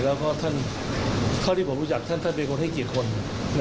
แล้วก็เท่าที่ผมรู้จักท่านท่านเป็นคนให้เกียรติคน